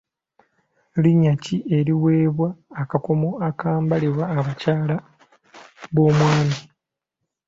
Linnya ki eriweebwa akakomo akambalibwa abakyala b'omwami?